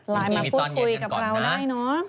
ไลน์มาพูดคุยกับเราได้เนอะ